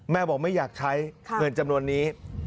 แม่บอกไม่อยากใช้เงินจำนวนนี้